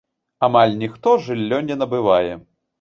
Амаль ніхто жыллё не набывае.